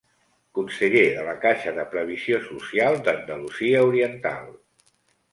Conseller de la Caixa de Previsió Social d'Andalusia Oriental.